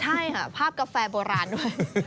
ใช่ค่ะภาพกาแฟโบราณด้วย